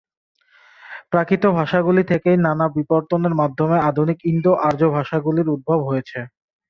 প্রাকৃত ভাষাগুলি থেকেই নানা বিবর্তনের মাধ্যমে আধুনিক ইন্দো-আর্য ভাষাগুলির উদ্ভব হয়েছে।